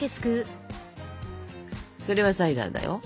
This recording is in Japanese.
それはサイダーだよ。